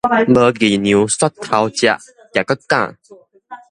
無議量煞偷食也閣敢